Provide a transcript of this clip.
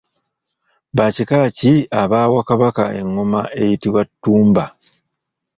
Ba kika ki abaawa Kabaka engoma eyitibwa Ttumba.